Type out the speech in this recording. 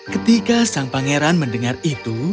ketika sang pangeran mendengar itu